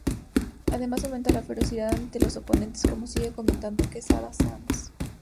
Además aumentaba la "ferocidad" ante los oponentes, como sigue comentando Quesada Sanz.